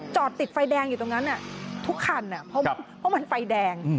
จอดติดไฟแดงอยู่ตรงนั้นทุกคันเพราะมันไฟแดง